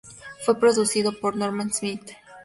Fue producido por Norman Smith.